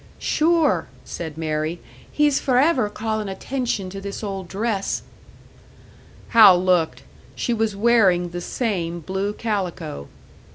"Sure," said Mary, "he's forever callin' attention to this old dress!" Hal looked; she was wearing the same blue calico.